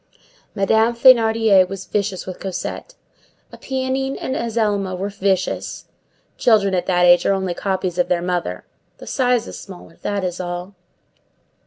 Madame Thénardier was vicious with Cosette. Éponine and Azelma were vicious. Children at that age are only copies of their mother. The size is smaller; that is all.